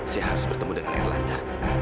saya harus bertemu dengan erlanda